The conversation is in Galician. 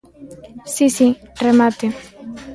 Si, si, remate.